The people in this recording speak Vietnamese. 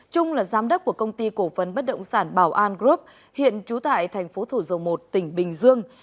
trung là giám đốc của công ty cổ phân bất động sản bảo an group hiện trú tại tp thủ dầu một tỉnh bình dương